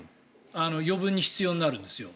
余分に必要になるんですよ。